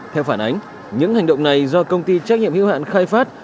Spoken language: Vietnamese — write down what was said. theo phản ánh những hành động này do công ty trách nhiệm hữu hạn khai phát